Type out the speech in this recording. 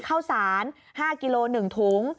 ข้าวสาร๕กิโล๑ถุง